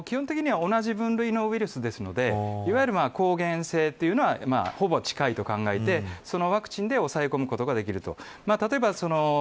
基本的には同じ分類のウイルスですので、いわゆる抗原性というのはほぼ近いと考えてそのワクチンで押さえ込むことができると。